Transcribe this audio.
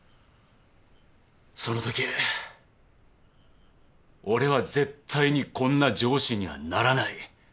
そのとき俺は絶対にこんな上司にはならない。